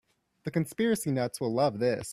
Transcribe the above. The conspiracy nuts will love this.